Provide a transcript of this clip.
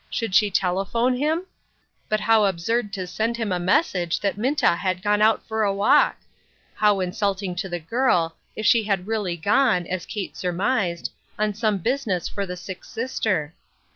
Should she telephone him ? But how absurd to send him a message that Minta had gone out for a walk ! How insulting to the girl, if she had really gone, as Kate surmised, on some business for the sick sister